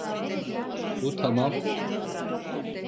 Bu tamam.